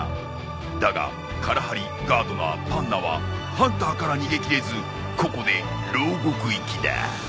だがカラハリガードナーパンナはハンターから逃げ切れずここで牢獄行きだ。